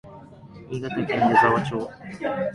新潟県湯沢町